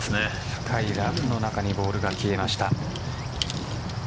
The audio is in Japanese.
深いラフの中にボールが消えました。